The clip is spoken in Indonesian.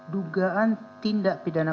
dugaan tindak pidana